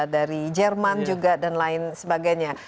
dari jerman juga dan lain sebagainya